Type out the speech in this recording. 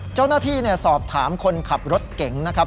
เจ้าหน้าที่สอบถามคนขับรถเก่งนะครับ